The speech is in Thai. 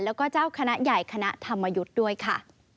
แล้วก็เจ้าคณะใหญ่คณะธรรมยุทธ์ด้วยค่ะ